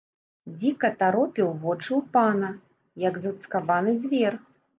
Дзіка таропіў вочы ў пана, як зацкаваны звер.